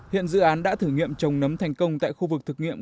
hiện dự án đã thử nghiệm trồng nấm thành công tại khu vực thực nghiệm